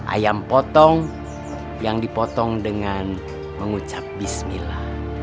ayam potong yang dipotong dengan mengucap bismillah